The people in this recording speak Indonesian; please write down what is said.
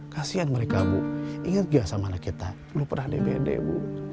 kasian mereka bu ingat tidak sama anak kita belum pernah dpd bu